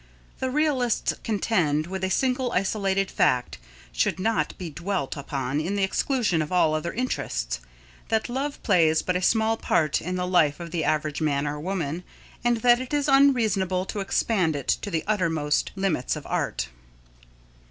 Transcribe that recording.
The realists contend that a single isolated fact should not be dwelt upon to the exclusion of all other interests, that love plays but a small part in the life of the average man or woman, and that it is unreasonable to expand it to the uttermost limits of art.